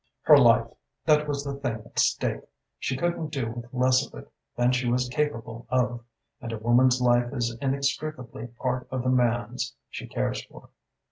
"Her life: that was the thing at stake! She couldn't do with less of it than she was capable of; and a woman's life is inextricably part of the man's she cares for.